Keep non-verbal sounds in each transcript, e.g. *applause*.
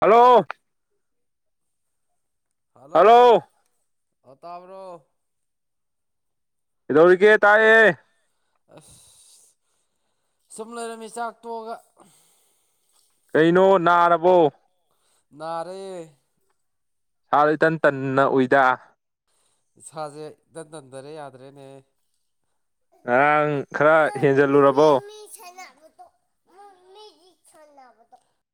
hello hello ꯑꯣ ꯇꯥꯕ꯭ꯔꯣ ꯀꯩꯗꯧꯔꯤꯒꯦ ꯇꯥꯛꯑꯦ ꯑꯁ ꯁꯨꯝ ꯂꯩꯔꯝꯃꯤ ꯆꯥꯛ ꯇꯣꯛꯑꯒ ꯀꯩꯅꯣ ꯅꯥꯔꯕꯣ ꯔꯦ ꯍꯥꯎꯣꯏꯇꯟ ꯇꯅ ꯎꯏꯗ ꯏꯁꯥꯁꯦ ꯗꯟ ꯇꯟꯗꯔꯦ ꯌꯥꯗ꯭ꯔꯦꯅꯦ ꯉꯔꯥꯡ ꯈꯔ ꯍꯦꯟꯖꯜꯂꯨꯔꯕꯣ ꯅ *inaudible*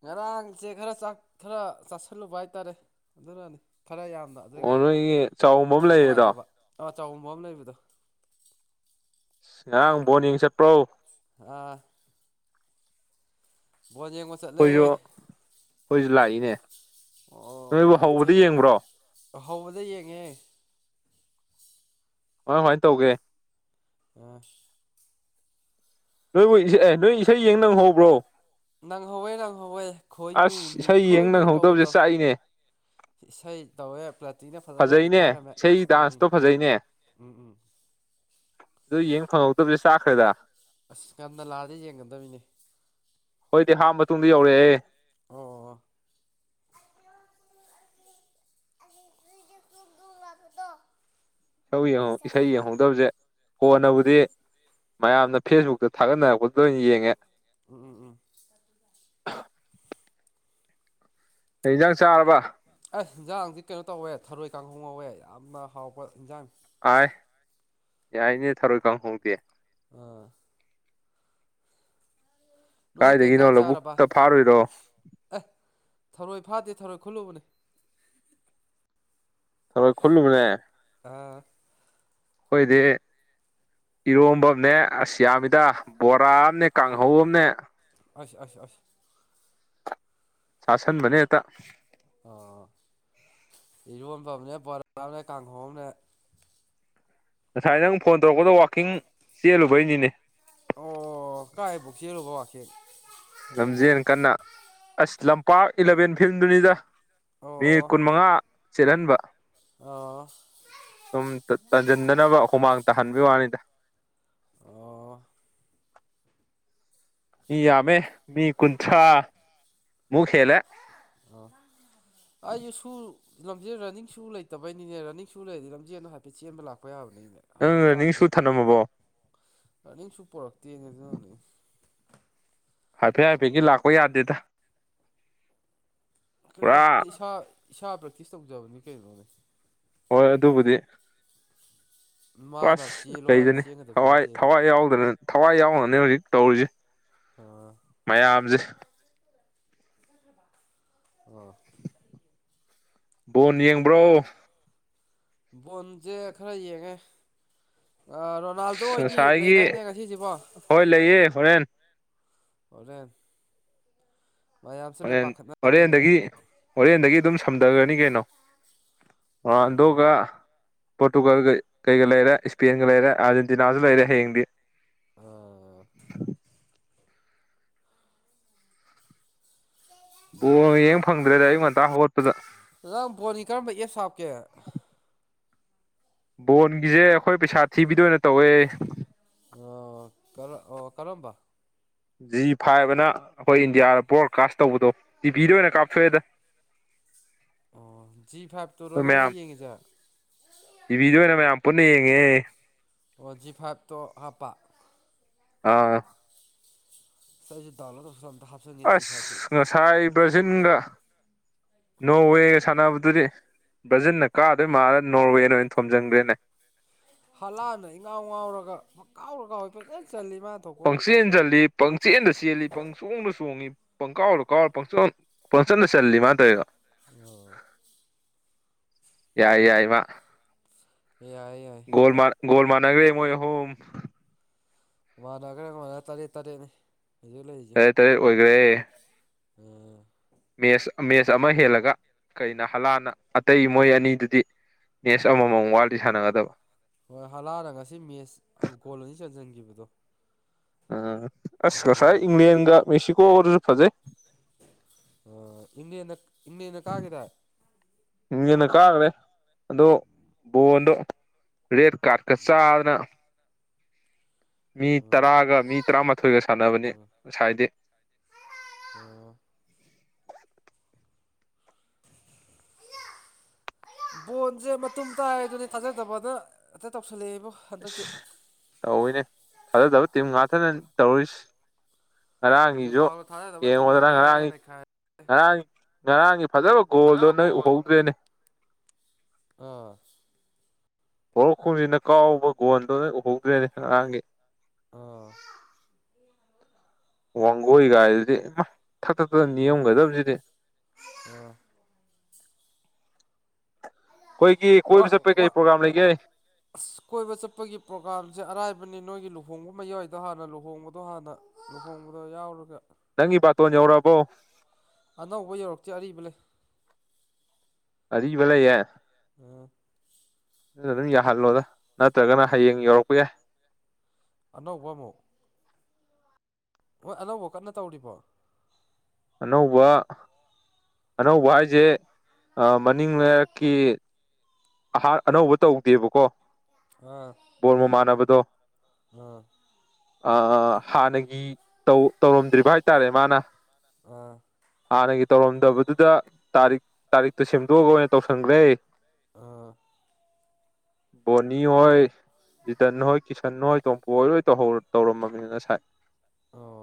ꯉꯔꯥꯡꯁꯦ ꯈꯔ ꯆꯥꯛ ꯈꯔ ꯆꯥꯥꯁꯜꯂꯨꯕ ꯍꯥꯏꯇꯥꯔꯦ ꯑꯗꯨꯅꯅꯤ ꯈꯔ ꯌꯥꯝꯕ ꯑꯣ ꯑꯗꯒꯤ ꯅꯣꯏꯒꯤ ꯆꯥꯛꯎꯝꯕ ꯑꯃ ꯄꯨꯛ ꯂꯩꯔꯦꯗꯣ ꯅꯨꯡꯉꯥꯏꯇ꯭ꯔꯕ ꯑ ꯆꯥꯎꯝꯕ ꯑꯃ ꯂꯩꯕꯗꯣ ꯉꫪꯥꯡ ꯕꯣꯜ ꯌꯦꯡ ꯆꯠꯄ꯭ꯔꯣ ꯑꯥ ꯕꯣꯜ ꯌꯦꯡ ꯆꯠꯂꯦ ꯑꯩꯈꯣꯏꯁꯨ ꯑꯩꯈꯣꯏꯁꯨ ꯂꯥꯛꯏꯅꯦ ꯅꯣꯏꯕꯨ ꯑꯣ ꯍꯧꯕꯗ ꯌꯦꯡꯕ꯭ꯔꯣ ꯍꯧꯕꯗꯩ ꯌꯦꯡꯉꯦ ꯀꯃꯥꯏ ꯀꯃꯥꯏꯅ ꯇꯧꯒꯦ ꯑꯁ ꯅꯣꯏꯕꯨ ꯏꯁꯩ ꯑꯦ ꯅꯣꯏ ꯏꯁꯩ ꯌꯦꯡ ꯅꯪꯍꯧꯕ꯭ꯔꯣ ꯅꯪ ꯍꯧꯋꯦ ꯅꯪꯍꯧꯋꯦ ꯑꯁ ꯈꯣꯏꯃꯨꯅꯤ ꯏꯁꯩ ꯌꯦꯡ ꯈꯣꯏꯃꯨ ꯅꯪꯍꯧꯗꯕꯁꯦ ꯇꯧꯕꯗꯣ ꯆꯥꯛꯏꯅꯦ ꯏꯁꯩ ꯇꯧꯋꯦ ꯄ꯭ꯂꯥꯇꯤꯅ ꯐꯖꯅ ꯐꯖꯩꯅꯦ ꯅꯤꯛꯈꯥꯏꯔꯝꯃꯦ ꯏꯁꯩ ꯗꯥꯟꯁꯇꯣ ꯐꯖꯩꯅꯦ ꯎꯝ ꯎꯝ ꯑꯗꯨ ꯌꯦꯡ ꯐꯪꯍꯧꯗꯕꯁꯦ ꯆꯥꯛꯈ꯭ꯔꯦꯗ ꯑꯁ ꯉꯟꯅ ꯂꯥꯛꯑꯗꯤ ꯌꯦꯡꯒꯗꯕꯅꯤꯅꯦ ꯈꯣꯏꯗꯤ ꯍꯥꯞ ꯃꯇꯨꯡꯗ ꯌꯧꯔꯛꯑꯦ ꯑꯣ ꯑꯣ *inaudible* ꯇꯧ ꯌꯦꯡꯉꯣ ꯏꯁꯩ ꯌꯦꯡꯍꯧꯗꯕꯁꯦ ꯎꯝ ꯎꯝ ꯎꯝ ꯀꯣꯟꯅꯕꯨꯗꯤ ꯃꯌꯥꯝꯅ ꯐꯦꯁꯕꯨꯛꯇ ꯊꯥꯒꯠꯅꯔꯛꯄꯗꯨꯗ ꯑꯣꯏꯅ ꯌꯦꯡꯉꯦ ꯎꯝ ꯎꯝ ꯎꯝ ꯀꯩ ꯌꯦꯟꯖꯥꯡ ꯆꯥꯔꯕ ꯑꯁ ꯏꯟꯖꯥꯡꯁꯤ ꯀꯩꯅꯣ ꯇꯧꯋꯦ ꯊꯔꯣꯏ ꯀꯥꯡꯍꯧ ꯉꯧꯋꯦ ꯌꯥꯝꯅ ꯍꯥꯎꯄ ꯏꯟꯖꯥꯡꯅꯦ ꯑꯥꯏ ꯌꯥꯏꯅꯦ ꯊꯔꯣꯏ ꯀꯥꯡꯍꯧꯗꯤ ꯑꯥ ꯅꯣꯏ ꯀꯩ ꯀꯥꯏꯗꯒꯤꯅꯣ ꯌꯦꯟꯖꯥꯡ ꯆꯥꯔꯕ ꯂꯧꯕꯨꯛꯇ ꯐꯥꯔꯨꯏꯔꯣ ꯑꯦ ꯊꯔꯣꯏ ꯐꯥꯗꯦ ꯊꯔꯣꯏ ꯈꯨꯜꯂꯨꯕꯅꯦ ꯊꯔꯣꯏ ꯈꯨꯜꯂꯨꯕꯅꯦ ꯑꯥ ꯑꯩꯈꯣꯏꯗꯤ ꯏꯔꯣꯝꯕꯝꯅꯦ ꯑꯁ ꯌꯥꯝꯃꯤꯗ ꯕꯣꯔꯥ ꯑꯃꯅꯦ ꯀꯥꯡ ꯀꯪꯍꯧ ꯑꯃꯅꯦ ꯑꯁ ꯑꯁ ꯑꯁ ꯆꯥꯁꯤꯟꯕꯅꯦ ꯍꯦꯛꯇ ꯑꯥ ꯏꯔꯣꯟꯕ ꯑꯝꯅꯦ ꯕꯣꯔꯥ ꯑꯝꯅꯦ ꯀꯥꯡꯍꯧ ꯑꯝꯅꯦ ꯉꯁꯥꯏ ꯅꯪ ꯐꯣꯟ ꯇꯧꯔꯛꯄꯗꯣ ꯋꯥꯛꯀꯤꯡ ꯆꯦꯜꯂꯨꯕꯩꯅꯤꯅꯦ ꯑꯣ ꯀꯥꯏꯕꯣꯛ ꯆꯦꯜꯂꯨꯕ ꯋꯥꯛꯀꯤꯡ ꯂꯝꯖꯦꯜ ꯀꯟꯅ ꯑꯁ ꯂꯝꯄꯥꯛ ꯏꯂꯚꯦꯟ ꯐꯤꯐꯗꯨꯅꯤꯗ ꯃꯤ ꯑꯣ ꯀꯨꯟꯃꯉꯥ ꯆꯦꯜꯍꯟꯕ ꯑꯣ ꯁꯨꯝ ꯇꯟꯁꯤꯟꯗꯅꯕ ꯍꯨꯃꯥꯡ ꯇꯥꯍꯟꯕꯒꯤ ꯋꯥꯅꯤꯗ ꯑꯣ ꯃꯤ ꯌꯥꯝꯃꯦ ꯃꯤ ꯀꯨꯟꯊ꯭ꯔꯥ ꯃꯨꯛ ꯍꯦꯜꯂꯦ ꯑꯣ *inaudible* ꯑꯩꯖꯨ ꯁꯨ ꯂꯝꯖꯦꯜ ꯔꯟꯅꯤꯡ ꯁꯨ ꯂꯩꯇꯕꯩꯅꯤꯅꯦ ꯔꯟꯅꯤꯡ ꯁꯨ ꯂꯩꯔꯗꯤ ꯂꯝꯖꯦꯜ ꯍꯥꯏꯐꯦꯠ ꯆꯦꯟꯕ ꯂꯥꯛꯄ ꯌꯥꯕꯅꯦ ꯅꯪ ꯔꯟꯅꯤꯡ ꯍꯛꯆꯥꯡꯁꯦ ꯁꯨ ꯊꯅꯝꯃꯕꯣ ꯔꯥꯅꯤꯡꯁꯨ ꯄꯨꯔꯛꯇꯦꯅ ꯑꯗꯨꯅꯅꯦ ꯍꯥꯏꯐꯦꯠ ꯔꯟꯅꯤꯡ ꯍꯥꯏꯐꯦꯠꯒꯤ ꯂꯥꯛꯄ ꯌꯥꯗꯦꯗ ꯀꯩꯅꯣ ꯄꯨꯔꯥ ꯏꯁꯥ ꯏꯁꯥ ꯄ꯭ꯔꯦꯛꯇꯤꯁ ꯇꯧꯖꯕꯅꯤ ꯀꯩꯅꯣꯅꯦ ꯍꯣꯏ ꯑꯗꯨꯕꯨꯗꯤ ꯃꯥꯅ ꯑꯁ ꯆꯦꯜꯂꯣ ꯍꯥꯏꯔꯒ ꯀꯩꯗꯅꯤ ꯆꯦꯟꯒꯗꯕꯁꯨ ꯊꯋꯥꯏ ꯅꯠꯇꯦꯅ ꯊꯋꯥꯏ ꯌꯥꯎꯗꯅ ꯊꯋꯥꯏ ꯌꯥꯎꯅꯅꯦ ꯍꯧꯖꯤꯛ ꯇꯧꯔꯤꯁꯦ ꯑ ꯃꯌꯥꯝꯁꯦ ꯑꯣ *inaudible* ꯕꯣꯟ ꯌꯦꯡꯕ꯭ꯔꯣ ꯕꯣꯟꯖꯦ ꯈꯔꯥ ꯌꯦꯡꯉꯦ ꯑ ꯔꯣ ꯔ‌ꯣꯅꯥꯜꯗ‌ꯣ ꯍ‌‌ꯣꯏꯒꯤ ꯉꯁꯥꯏꯒꯤ ꯂꯩꯗꯥꯏꯅꯦ ꯉꯁꯤꯁꯤꯕꯣ ꯍꯣꯏ ꯂꯩꯌꯦ ꯍꯣꯔꯦꯟ ꯍꯣꯔꯦꯟ ꯃꯌꯥꯝꯁ‌ꯦ ꯂꯣꯏ ꯍꯣꯔꯦꯟ ꯄꯥꯈꯠꯅꯔꯦꯅꯦ ꯍꯣꯔꯦꯟꯗꯒꯤ ꯍꯣꯔꯦꯟꯗꯒꯤ ꯑꯗꯨꯝ ꯁꯝꯗꯒ꯭ꯔꯥꯅꯤ ꯀꯩꯅꯣ ꯑꯣ ꯔ‌ꯣꯅꯥꯜꯗ‌ꯣꯒ ꯄꯣꯔꯇꯨꯒꯜꯒ ꯀꯩꯒ ꯂꯩꯔꯦ ꯁ꯭ꯄꯦꯟꯒ ꯂꯩꯔꯦ ꯑꯥꯔꯖꯦꯟꯇꯤꯅꯥꯁꯨ ꯂꯩꯔꯦ ꯍꯌꯦꯡꯗꯤ ꯑꯥ ꯕ‌ꯣꯜꯒ ꯌꯦꯡ ꯐꯪꯗ꯭ꯔꯦꯗ ꯑꯌꯨꯛ ꯉꯟꯇꯥ ꯍꯧꯒꯠꯄꯗ ꯑꯖꯥ ꯐꯣꯜꯒꯤ ꯀꯔꯝꯕ ꯑꯦꯞꯁ ꯍꯥꯞꯀꯦ ꯕꯣꯜꯒꯤꯖꯦ ꯑꯩꯈꯣꯏ ꯄꯩꯁꯥ ꯊꯤꯕꯤꯗꯣ ꯑꯣꯏꯅ ꯇꯧꯋꯦ ꯑ‌ꯣ ꯀꯔ ꯑꯣ ꯀꯔꯝꯕ ꯖꯤ ꯐꯥꯏꯕ ꯑꯅꯥ ꯑꯩꯈꯣꯏ ꯏꯟꯗꯤꯌꯥꯗ ꯕ꯭ꯔꯣꯗꯀꯥꯁ ꯇꯧꯕꯗꯣ ꯇꯤꯚꯤꯗ ꯑꯣꯏꯅ ꯀꯥꯞꯊꯣꯛꯑꯦꯗ ꯑꯣ ꯖꯤ ꯐꯥꯏꯕꯇꯨꯔꯣ ꯑꯗꯨ ꯅꯪꯅ ꯃꯌꯥꯝ ꯌꯦꯡꯉꯤꯖꯦ ꯇꯤꯚꯤꯗ ꯑꯣꯏꯅ ꯃꯌꯥꯝ ꯄꯨꯟꯅ ꯌꯦꯡꯉꯦ ꯑꯣ ꯖꯤ ꯐꯥꯏꯕꯇꯣ ꯍꯥꯞꯄ ꯑꯥ ꯑꯩꯁꯨ ꯗꯥꯎꯂꯣꯠ ‌ꯍꯧꯁꯤꯂ ꯑꯝꯇꯥ‌ ꯍꯥꯞ ꯑꯁ ꯉꯁꯥꯏ ꯕꯔꯖꯤꯟꯒ ꯅꯣꯔꯋꯦꯒ ꯁꯥꯟꯅꯕꯗꯨꯗꯤ ꯕ꯭ꯔꯥꯖꯤꯜꯅ ꯀꯥꯗꯣꯏ ꯃꯥꯜꯂ ꯅꯣꯔꯋꯦꯅ ꯑꯣꯏꯅ ꯊꯣꯝꯖꯤꯟꯒ꯭ꯔꯦꯅꯦ ꯍꯥꯂꯥꯟꯑꯅ ꯏꯉꯥꯎ ꯉꯥꯎꯔꯒ ꯄꯪꯀꯥꯎꯇ ꯀꯥꯎꯏ ꯄꯪꯆꯟ ꯆꯜꯂꯤ ꯃꯥꯅ ꯊꯣꯛꯄ ꯄꯪꯆꯦꯟ ꯆꯜꯂꯤ ꯄꯪꯆꯦꯟꯗ ꯆꯦꯜꯂꯤ ꯄꯪ ꯆꯣꯡꯗ ꯆꯣꯡꯏ ꯄꯪꯀꯥꯎꯇ ꯀꯥꯎꯔꯥ ꯄꯪꯆꯟ ꯄꯪꯆꯟꯗ ꯆꯜꯂꯤ ꯃꯥꯟ ꯇꯧꯔꯤꯕ ꯑꯥ ꯌꯥꯏ ꯌꯥꯏ ꯃꯥ ꯌꯥꯏ ꯌꯥꯏ ꯒꯣꯜ ꯃꯥ ꯒ‌ꯣꯜ ꯃꯥꯔꯅꯒ꯭ꯔ‌ꯦ ꯃꯣꯏ ꯑꯍꯨꯝ ꯃꯥꯟꯅꯈ꯭ꯔꯦ ꯉꯣ ꯇꯔꯦꯠ ꯇꯔꯦꯠꯅꯤ ꯍꯧꯖꯤꯛ ꯂꯩꯔꯤꯖꯦ ꯇꯔꯦꯠ ꯇꯔꯦꯠ ꯎꯝ ꯃꯦꯁ ꯃꯦꯁ ꯑꯃ ꯍꯦꯜꯂꯒ ꯀꯩꯅ ꯍꯂꯥꯟꯅ ꯑꯇꯩ ꯃꯣꯏ ꯑꯅꯤꯗꯨꯗꯤ ꯅꯦꯁ ꯑꯃꯃꯝ ꯋꯥꯜꯗꯤ ꯁꯥꯟꯅꯒꯗꯕ ꯍꯣꯏ ꯍꯂꯥꯟꯅ ꯉꯁꯤ ꯃꯦꯁ ꯒ‌ꯣꯜ ꯑꯅꯤ ꯆꯟꯁꯤꯟꯈꯤꯕꯗꯣ ꯑꯥ ꯑꯁ ꯉꯁꯥꯏ ꯑꯗꯨꯗꯅꯦ ꯏꯪꯂꯦꯟꯒ ꯃꯦꯛꯁꯤꯀꯣꯒꯥ ꯗꯨꯁꯨ ꯐꯖꯩ ꯑ ꯏꯪꯂ‌ꯦꯟꯅ ꯏꯪꯂ‌ꯦꯟꯅ ꯀꯥꯒꯤꯗꯥꯏ ꯏꯪꯂ‌ꯦꯟꯅ ꯀꯥꯒ꯭ꯔꯦ ꯑꯗꯣ ꯕꯣꯜꯗꯣ ꯔꯦꯠ ꯀꯥꯔꯗ ꯀꯥ ꯆꯥꯗꯅ ꯃꯤ ꯎꯝ ꯇꯔꯥꯒ ꯃꯤ ꯇꯔꯥꯃꯥꯊꯣꯏꯒ ꯁꯥꯟꯅꯕꯅꯤ ꯉꯁꯥꯏꯗꯤ ꯑꯣ ꯕꯣꯟꯁꯦ ꯃꯇꯨꯝ ꯇꯥꯏ ꯑꯗꯨꯅꯤ ꯊꯥꯖꯗꯕꯗꯅ ꯍꯦꯛꯇ ꯇꯧꯁꯤꯜꯂꯛꯑꯦꯕꯣ ꯑꯁ ꯇꯧꯏꯅꯦ ꯊꯥꯖꯗꯕ ꯇꯤꯝ ꯉꯥꯛꯇꯅꯅꯤ ꯇꯧꯔꯤꯁꯦ ꯍꯧꯖꯤꯛ ꯉꯔꯥꯡꯒꯤꯖꯨ ꯐꯥꯎꯕ ꯊꯥꯖꯗꯕ ꯇꯤꯝ ꯌꯦꯡꯉꯣꯗꯅ ꯉꯥꯛꯇ ꯉꯥꯏꯔꯦ ꯉꯔꯥꯡꯒꯤ ꯅꯩꯈꯥꯏ ꯉꯔꯥꯡꯒꯤ ꯉꯔꯥꯡꯒꯤ ꯐꯖꯕ ꯒꯣꯜꯗꯣ ꯅꯣꯏ ꯎꯍꯧꯗ꯭ꯔꯦꯅꯦ ꯑꯥ ꯄꯣꯏꯔꯣꯛꯈꯣꯡꯖꯤꯟꯅ ꯀꯥꯎꯕ ꯒꯣꯜꯗꯣ ꯅꯣꯏ ꯎꯍꯧꯗ꯭ꯔꯦꯅꯦ ꯉꯔꯥꯡꯒꯤ ꯑꯥ ꯋꯥꯡꯒꯣꯏ ꯀꯥꯏꯗꯨꯗꯤ ꯃꯥ ꯊꯛ ꯊꯛ ꯊꯛ ꯅꯤꯛꯑꯝꯒꯗꯕꯖꯤꯗꯤ ꯑꯥ ꯑꯩꯈꯣꯏꯒꯤ ꯑꯥ ꯀꯣꯏꯕ ꯆꯠꯄꯩ ꯑꯥ ꯀꯩ ꯄ꯭ꯔꯣꯒꯥꯝ ꯂꯩꯒꯦ ꯑꯁ ꯀꯣꯏꯕ ꯆꯠꯄꯒꯤ ꯄ꯭ꯔꯣꯒꯥꯝꯁꯦ ꯑꯔꯥꯏꯕꯅꯤ ꯅꯣꯏꯒꯤ ꯂꯨꯍꯣꯡꯕ ꯃꯌꯥꯏꯗꯣ ꯍꯥꯟꯅ ꯂꯨꯍꯣꯡꯕꯗꯣ ꯍꯥꯟꯅ ꯂꯨꯍꯣꯡꯕꯗꯣ ꯌꯥꯎꯔꯒ ꯅꯪꯒꯤ ꯕꯥꯇꯣꯟ ꯌꯧꯔꯛꯑꯕꯣ ꯑꯅꯧꯕ ꯌꯧꯔꯛꯇ꯭ꯔꯤ ꯑꯔꯤꯕ ꯂꯩ ꯑꯔꯤꯕ ꯂꯩꯌꯦ ꯎꯝ ꯑꯗꯨ ꯑꯗꯨꯝ ꯌꯥꯍꯜꯂꯣꯗ ꯅꯠꯇ꯭ꯔꯒꯅ ꯍꯌꯦꯡ ꯌꯧꯔꯛꯄ ꯌꯥꯏ ꯑꯅꯧꯕ ꯑꯃꯨꯛ ꯍꯣꯏ ꯑꯅꯧꯕ ꯀꯟꯅ ꯇꯧꯔꯤꯕꯣ ꯑꯅꯧꯕ ꯑꯅꯧꯕ ꯍꯥꯏꯖꯦ ꯑ ꯃꯅꯤꯡ ꯂꯩꯔꯛꯀꯤ ꯑꯍ ꯑꯅꯧꯕ ꯇꯧꯗꯦꯕꯀꯣ ꯑꯥ ꯕꯣꯔ ꯃꯃꯥꯟꯅꯕꯗꯣ ꯑꯥ ꯑ ꯍꯥꯟꯅꯒꯤ ꯇꯧ ꯇꯧꯔꯝꯗ꯭ꯔꯤꯕ ꯍꯥꯏꯇꯥꯔꯦ ꯃꯥꯅ ꯑꯥ ꯍꯥꯟꯅꯒꯤ ꯇꯧꯔꯝꯗꯕꯗꯨꯗ ꯇꯥꯔꯤꯛ ꯇꯥꯔꯤꯛꯇꯣ ꯁꯦꯝꯗꯣꯛꯑꯒ ꯑꯣꯏꯅ ꯇꯧꯁꯟꯈ꯭ꯔꯦ ꯑꯥ ꯕꯣꯅꯤ ꯍꯣꯏ ꯖꯤꯇꯟ ꯍꯣꯏ ꯀꯤꯁꯟ ꯍꯣꯏ ꯇꯣꯝꯄꯨ ꯍꯣꯏ ꯂꯣꯏ ꯇꯧꯔꯝꯃꯝꯅꯤ ꯉꯁꯥꯏ ꯑꯣ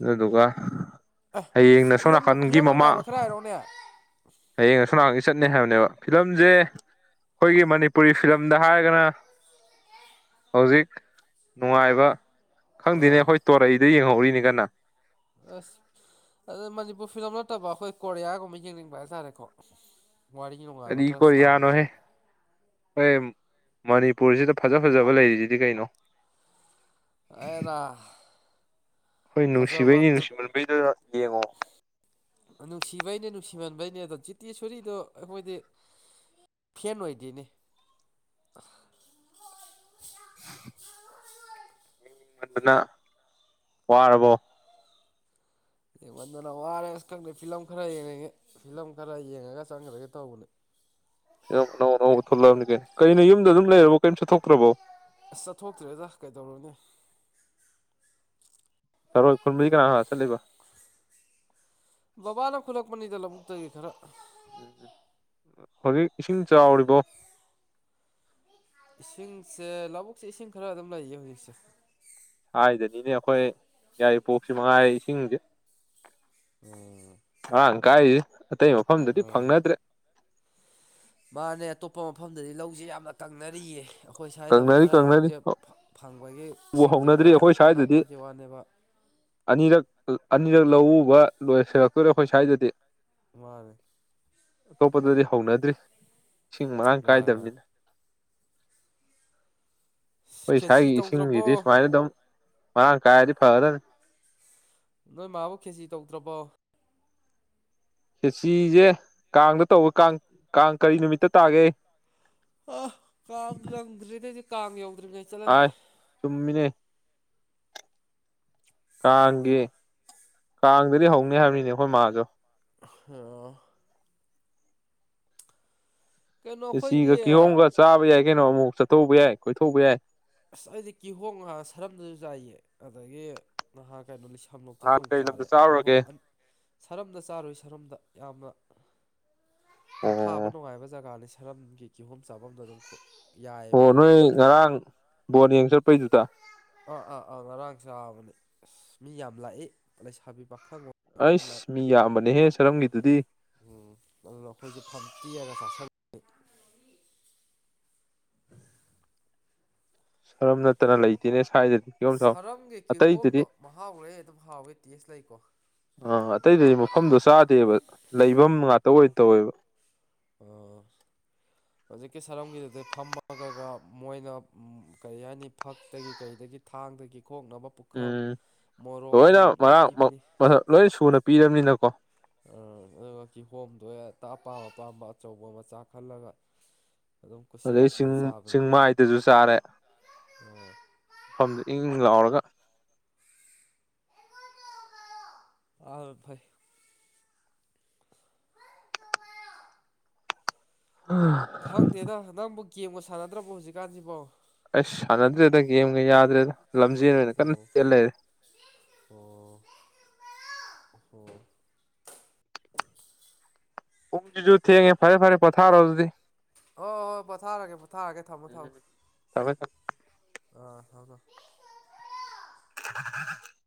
ꯑꯗꯨꯗꯨꯒ ꯑ ꯍꯌꯦꯡꯅ ꯁꯣꯝ ꯐꯤꯂꯝꯗꯣ ꯅꯥꯀꯟꯒꯤ ꯐꯤꯂꯝ ꯅꯨꯡꯉꯥꯏꯕ ꯈꯔ ꯍꯥꯏꯔꯛꯎꯅꯦ ꯍꯌꯦꯡ ꯑꯁꯣꯟꯅꯀꯟꯒꯤ ꯆꯠꯅꯤ ꯍꯥꯏꯕꯅꯦꯕ ꯐꯤꯂꯝꯁꯦ ꯑꯩꯈꯣꯏꯒꯤ ꯃꯅꯤꯄꯨꯔꯤ ꯐꯤꯂꯝꯗ ꯍꯥꯏꯔꯒꯅ ꯍꯧꯖꯤꯛ ꯅꯨꯡꯉꯥꯏꯕ ꯈꯪꯗꯦꯅꯦ ꯑꯥ ꯑꯩꯈꯣꯏ ꯇꯣꯔꯩꯗ ꯌꯦꯡꯍꯧꯔꯤꯅꯤ ꯀꯅ ꯑꯁ ꯑꯗꯨꯗ ꯃꯅꯤꯄꯨꯔ ꯐꯤꯂꯝ ꯅꯠꯇꯕ ꯑꯩꯈꯣꯏ ꯀꯣꯔꯤꯌꯥꯒꯨꯝꯕ ꯌꯦꯡꯅꯤꯡꯕ ꯍꯥꯏꯇꯥꯔꯦꯀꯣ ꯋꯥꯔꯤ ꯅꯨꯡꯉꯥꯏꯕ ꯈꯔ ꯁꯥꯡꯕꯗ ꯑꯩꯏ ꯃꯅꯤꯄꯨꯔꯁꯤꯗ ꯐꯖ ꯐꯖꯕ ꯂꯩꯔꯤꯁꯤꯗꯤ ꯀꯩꯅꯣ ꯑꯦꯔ ꯈꯣꯏ ꯅꯨꯡꯁꯤꯕꯩꯅꯤ ꯅꯨꯡꯁꯤꯃꯟꯕꯩꯗꯣ ꯌꯦꯡꯉꯣ ꯅꯨꯡꯁꯤꯕꯩꯅꯦ ꯅꯨꯡꯁꯤꯃꯥꯟꯕꯩꯅꯦ ꯑꯗꯣ ꯖꯤꯇꯦꯁꯣꯔꯤꯗꯣ ꯑꯩꯈꯣꯏꯗꯤ ꯐꯦꯟ ꯑꯣꯏꯗꯦꯅꯦ *inaudible* ꯅ ꯋꯥꯔꯕꯣ ꯌꯦꯡꯉꯟꯗꯅ ꯋꯥꯔꯦ ꯑꯁ ꯈꯪꯗꯦ ꯐꯤꯂꯝ ꯈꯔ ꯌꯦꯡꯉꯉꯦ ꯐꯤꯂꯝ ꯈꯔ ꯌꯦꯡꯉꯒ ꯆꯪꯒ꯭ꯔꯒꯦ ꯇꯧꯕꯅꯦ ꯂꯝ ꯑꯅꯧ ꯑꯅꯧꯕ ꯊꯣꯛꯂꯛꯑꯕꯅꯤꯒꯦ ꯀꯩꯅꯣ ꯌꯨꯝꯗ ꯑꯗꯨꯝ ꯂꯩꯔꯕꯣ ꯀꯔꯤꯝ ꯆꯠꯊꯣꯛꯇ꯭ꯔꯕꯣ ꯑꯁ ꯆꯠꯊꯣꯛꯇ꯭ꯔꯦꯗ ꯀꯩꯗꯧꯔꯨꯅꯤ ꯊꯔꯣꯏ ꯈꯨꯟꯕꯗꯤ ꯀꯅꯥ ꯀꯅꯥ ꯆꯠꯂꯤꯕ ꯕꯕꯥꯅ ꯈꯨꯠꯂꯛꯄꯅꯤꯗ ꯂꯧꯕꯨꯛꯇꯒꯤ ꯈꯔ *inaudible* ꯍꯧꯖꯤꯛ ꯏꯁꯤꯡ ꯆꯥꯎꯔꯤꯕꯣ ꯏꯁꯤꯡꯁꯦ ꯂꯧꯕꯨꯛꯁꯦ ꯏꯁꯤꯡ ꯈꯔ ꯑꯗꯨꯝ ꯂꯩꯌꯦ ꯍꯧꯖꯤꯛꯁꯦ ꯁꯋꯥꯗꯗꯤꯅꯦ ꯑꯩꯈꯣꯏ ꯌꯥꯏ ꯄꯣꯞꯁꯤ ꯃꯉꯥꯏ ꯏꯁꯤꯡꯁꯦ *inaudible* ꯃꯔꯥꯡ ꯀꯥꯏꯖꯦ ꯑꯇꯩ ꯃꯐꯝꯗꯗꯤ ꯑꯥ ꯐꯪꯅꯗ꯭ꯔꯦ ꯃꯥꯅꯦ ꯑꯇꯣꯞꯄ ꯃꯐꯝꯗꯗꯤ ꯂꯧꯁꯦ ꯌꯥꯝꯅ ꯀꯪꯅꯔꯤꯌꯦ ꯑꯩꯈꯣꯏ ꯁ꯭ꯋꯥꯏꯗꯕꯨ ꯀꯪꯅꯔꯤ ꯈꯔ ꯀꯪꯅꯔꯤ ꯂꯧꯁꯦ ꯐꯪꯕꯒꯤ ꯏꯁꯤꯡꯁꯦ ꯍꯧꯅꯗ꯭ꯔꯤ ꯈꯔ ꯑꯩꯈꯣꯏ ꯁ꯭ꯋꯥꯏꯗꯗꯤ ꯅꯛꯄꯒꯤ ꯋꯥꯅꯦꯕ ꯑꯅꯤꯔꯛ ꯑꯅꯤꯔꯛ ꯂꯧꯎꯕ ꯂꯣꯏꯁꯤꯜꯂꯛꯇꯣꯏꯔꯦ ꯑꯩꯈꯣꯏ ꯁ꯭ꯋꯥꯏꯗꯗꯤ ꯃꯥꯅꯦ ꯑꯇꯣꯞꯄꯗꯗꯤ ꯍꯧꯅꯗ꯭ꯔꯤ ꯏꯁꯤꯡ ꯃꯔꯥꯡ ꯃꯥꯅꯦ ꯃꯥꯅꯦ ꯀꯥꯏꯗꯕꯅꯤꯅ ꯑꯩꯈꯣꯏ ꯈꯦꯆꯤ ꯁꯥꯏꯒꯤ ꯇꯧꯗ꯭ꯔꯕꯣ ꯏꯁꯤꯡꯁꯤꯗꯤ ꯁꯨꯃꯥꯏꯅ ꯑꯗꯨꯝ ꯃꯔꯥꯡ ꯀꯥꯏꯔꯗꯤ ꯐꯒꯗꯝꯅꯤ ꯅꯣꯏ ꯃꯥꯕꯨ ꯈꯦꯆꯤ ꯇꯧꯗ꯭ꯔꯕꯣ ꯈꯦꯆꯤꯖꯦ ꯀꯥꯡꯗ ꯇꯧꯋ ꯀꯥꯡ ꯀꯥꯡ ꯀꯔꯤ ꯅꯨꯃꯤꯠꯇ ꯇꯥꯒꯦ ꯑ ꯀꯥꯡ ꯉꯪꯗ꯭ꯔꯤ ꯅꯩꯗꯤ ꯀꯥꯡ ꯌꯧꯗ꯭ꯔꯤꯉꯩ ꯍ ꯆꯠꯂꯅꯤ ꯆꯨꯝꯃꯤꯅꯦ ꯀꯥꯡꯒꯤ ꯀꯥꯡꯗꯗꯤ ꯍꯧꯅꯤ ꯍꯥꯏꯕꯅꯤꯅꯦ ꯑꯩꯈꯣꯏ ꯃꯥꯗꯣ ꯑꯣ ꯀꯩꯅꯣ ꯑꯩꯈꯣꯏꯒꯤ ꯈ‌ꯦꯆꯤꯒ ꯀꯤꯍꯣꯝꯒ ꯆꯥꯕ ꯌꯥꯏ ꯀꯩꯅꯣ ꯑꯃꯨꯛ ꯆꯠꯊꯧꯕ ꯌꯥꯏ ꯀꯣꯏꯊꯣꯛꯧꯕ ꯌꯥꯏ ꯑꯁ ꯑꯩꯗꯤ ꯀꯤꯍꯣ ꯉꯍꯥꯟ ꯁꯔꯝꯗꯁꯨ ꯆꯥꯏꯌꯦ ꯑꯗꯒꯤ ꯉꯍꯥꯛ ꯀꯩꯅꯣ ꯂꯤꯁꯤꯡ ꯁꯂꯣꯛꯞꯇꯁꯨ ꯅꯍꯥꯟ ꯑꯃꯨꯛ ꯀꯩ ꯂꯝꯗ ꯆꯥꯔꯦ ꯀꯤꯍꯣꯝ ꯆꯥꯔꯨꯔꯒꯦ ꯁꯔꯝꯗ ꯆꯥꯔꯣꯏ ꯁꯔꯝꯗ ꯌꯥꯝꯅ ꯄꯣꯊꯥꯕ ꯑꯣ ꯅꯨꯡꯉꯥꯏꯕ ꯖꯒꯥꯅꯤ ꯁꯔꯝꯒꯤ ꯀꯤꯍꯣꯝ ꯆꯥꯐꯝꯗ ꯑꯗꯨꯝ ꯀ ꯑꯣ ꯅꯣꯏ ꯉꯔꯥꯡ ꯕꯣꯟ ꯌꯦꯡ ꯆꯠꯂꯄꯩꯗꯨꯗ ꯑꯥ ꯑꯥ ꯑꯥ ꯉꯔꯥꯡ ꯆꯥꯕꯅꯤ ꯑꯁ ꯃꯤ ꯌꯥꯝ ꯂꯥꯛꯏ ꯂꯩꯁꯥꯕꯤ ꯄꯥꯈꯪꯑꫭ ꯑꯩꯁ ꯃꯤ ꯌꯥꯝꯕꯅꯦꯍꯦ ꯆꯔꯝꯒꯤꯗꯨꯗꯤ ꯎꯝ ꯑꯪ ꯐꯥꯏꯁꯦ *unintelligible* ꯐꯝꯇ ꯌꯥꯥ ꯇꯥꯁꯥ *unintelligible* ꯁꯔꯝꯕ ꯅꯠꯇꯅ ꯂꯩꯇꯦꯅꯦ ꯁ꯭ꯋꯥꯏꯗꯗꯤ ꯀꯤꯍꫭꯝ ꯆꯥꯎ ꯁꯔꯝꯒꯤ *unintelligible* ꯑꯇꯩꯗꯗꯤ ꯀꯤꯍꯣꯝꯗꯣ ꯃꯍꯥꯎ ꯂꯩ ꯑꯗꯨꯝ ꯍꯥꯎꯋꯦ ꯇꯦꯁ ꯂꯩꯀꯣ ꯑꯥ ꯑꯇꯩꯗꯗꯤ ꯃꯐꯝꯗꯣ ꯆꯥꯗꯦꯕ ꯂꯩꯐꯝ ꯉꯥꯛꯇ ꯑꯣꯏ ꯇꯧꯋꯦꯕ ꯑꯥ *inaudible* ꯍꯧꯖꯤꯛꯀꯤ ꯁꯔꯝꯒꯤꯗꯨꯗꯤ ꯐꯝꯃꯒꯒ ꯃꯣꯏꯅ ꯀꯔꯤ ꯍꯥꯏꯅꯤ ꯐꯛꯇꯒꯤ ꯀꯔꯤꯗꯒꯤ ꯊꯥꯡꯗꯒꯤ ꯈꫭꯛꯅꯕ ꯄꯨꯈꯝ ꯎꯝ ꯃꯣꯔꯣꯛ ꯂꯣꯏꯅ ꯊꯨꯝ ꯂꯣꯏ ꯃꯔꯥꯡ ꯄꯤꯕꯤꯅꯤ ꯂꯣꯏ ꯁꯨꯅ ꯄꯤꯔꯕꯅꯤꯅꯀꯣ ꯑꯗꯨꯒ ꯀꯤ ꯍꯣꯝꯗꯣ ꯑ ꯑꯄꯥꯝ ꯑꯄꯥꯝꯕ ꯑꯆꯧꯕ ꯃꯆꯥ ꯈꯜꯂꯒ ꯑꯗꯨꯝ ꯑꯗꯨꯗꯩ ꯆꯤꯡ ꯀꯨꯁꯤꯔꯥꯁꯤꯗ ꯆꯥꯕꯅꯤ ꯆꯤꯡꯃꯥꯏꯗꯁꯨ ꯆꯥꯔꯦ ꯃꯐꯝꯗꯨ ꯏꯪ ꯏꯪ ꯂꯥꯎꯔꯒ ꯑꯥ *unintelligible* ꯐꯥꯏ ꯎꯝ *unintelligible* ꯈꯪꯗꯦꯗ ꯅꯪꯕꯨ ꯒꯦꯝꯒ ꯁꯥꯟꯅꯗ꯭ꯔꯕꯣ ꯍꯧꯖꯤꯛꯀꯥꯟꯁꯤꯕꯣ ꯑꯩꯁ ꯁꯥꯟꯅꯗ꯭ꯔꯦꯗ ꯒꯦꯝꯒ ꯌꯥꯗ꯭ꯔꯦꯗ ꯂꯝꯖꯦꯟ ꯑꯣꯏꯅ ꯀꯟꯅ ꯑꯣ ꯆ‌ꯦꯟ ꯂꯩꯔꯦ ꯑꯣ ꯎꯝ ꯄꯨꯡꯖꯤꯖꯨ ꯊꯦꯡꯉ‌ꯦ ꯐꯔꯦ ꯐꯔ ꯄꯊꯥꯔꫭ ꯑꯗꯨꯗꯤ ꯍꯣꯏ ꯍꯣꯏ ꯄꯣꯊꯥꯔꯒꯦ ꯄꯣꯊꯥꯔꯒꯦ ꯊꯝꯃꯣ ꯎꯝ ꯊꯝꯃꯣ ꯊꯝꯃꯦ ꯑꯥ ꯊꯝ ꯊꯝ *unintelligible*